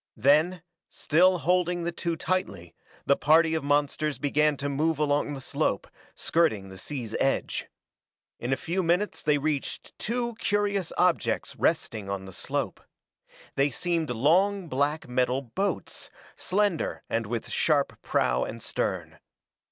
Then, still holding the two tightly, the party of monsters began to move along the slope, skirting the sea's edge. In a few minutes they reached two curious objects resting on the slope. They seemed long black metal boats, slender and with sharp prow and stern.